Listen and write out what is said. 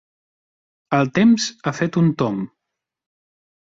El temps ha fet un tomb.